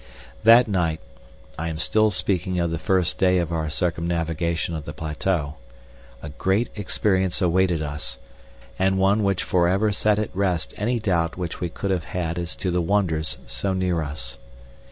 That night I am still speaking of the first day of our circumnavigation of the plateau a great experience awaited us, and one which for ever set at rest any doubt which we could have had as to the wonders so near us.